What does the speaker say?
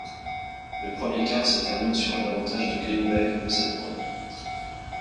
Le premier quart se termine sur un avantage de Green Bay de sept points.